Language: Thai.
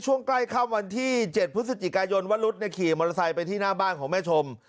ช่วงใกล้ค่ำวันที่๗พฤศจิกายนวรุษขี่มอเตอร์ไซค์ไปที่หน้าบ้านของแม่ชม